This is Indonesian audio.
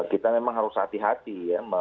kita memang harus hati hati ya